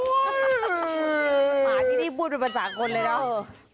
หมาที่นี่พูดเป็นภาษาคนเลยเนอะ